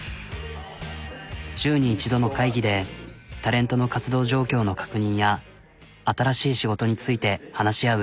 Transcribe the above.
週に１度の会議でタレントの活動状況の確認や新しい仕事について話し合う。